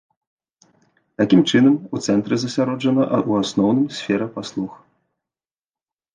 Такім чынам, у цэнтры засяроджана ў асноўным сфера паслуг.